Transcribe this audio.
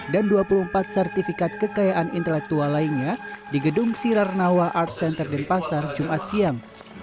dan dua puluh empat sertifikat kekayaan intelektual lainnya di gedung sirarnawa art center denpasar jumat siang